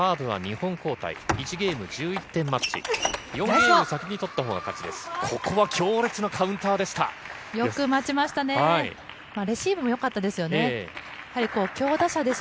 ４ゲームを先に取ったほうが勝ちます。